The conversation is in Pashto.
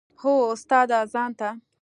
هو استاده ځان ته.